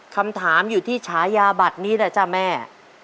คำถามอยู่ที่ฉายาบัตรนี้แหละจ้ะแม่